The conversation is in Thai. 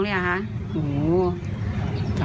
ใส่เรา